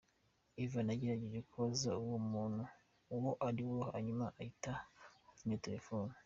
Ivan yagerageje kubaza uwo muntu uwo ariwe hanyuma ahita azimya telefone.”